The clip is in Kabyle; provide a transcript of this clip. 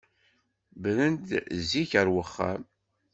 Bren-d zik ar wexxam!